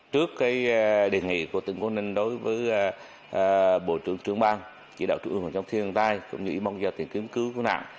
trước cái đề nghị của tỉnh quảng ninh đối với bộ trưởng trường ban chỉ đạo trung ương trong thiên tai cũng như ý mong do tỉnh kiếm cứu của nạn